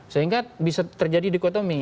sehingga bisa terjadi dikotomi